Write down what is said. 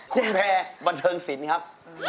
คุณแพร์บันเทิงสินครับ